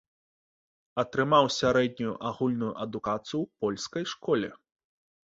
Атрымаў сярэднюю агульную адукацыю ў польскай школе.